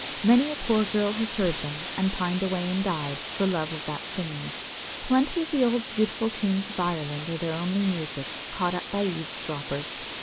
Many a poor girl has heard them, and pined away and died, for love of that singing. Plenty of the old beautiful tunes of Ireland are only their music, caught up by eavesdroppers.